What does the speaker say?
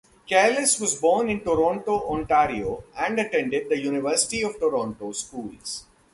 Careless was born in Toronto, Ontario and attended the University of Toronto Schools.